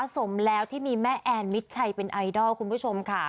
สมแล้วที่มีแม่แอนมิดชัยเป็นไอดอลคุณผู้ชมค่ะ